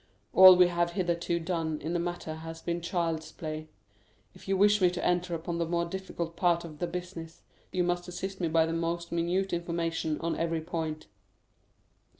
All we have hitherto done in the matter has been child's play. If you wish me to enter upon the more difficult part of the business, you must assist me by the most minute information on every point."